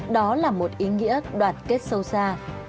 đó là một ý nghĩa đoạt kết sâu xa